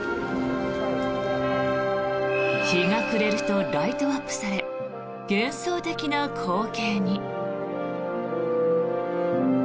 日が暮れると、ライトアップされ幻想的な光景に。